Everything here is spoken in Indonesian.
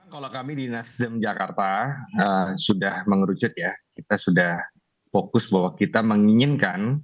kalau kami di nasdem jakarta sudah mengerucut ya kita sudah fokus bahwa kita menginginkan